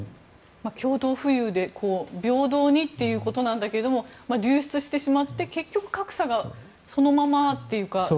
共同富裕で平等にということだけど流出してしまって結局格差がそのままというか。